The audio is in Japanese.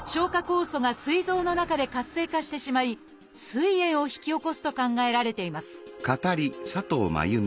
酵素がすい臓の中で活性化してしまいすい炎を引き起こすと考えられています